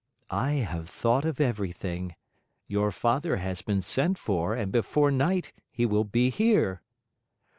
"I have thought of everything. Your father has been sent for and before night he will be here."